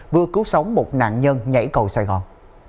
vừa cứu sống một nạn nhân nhảy cầu sài gòn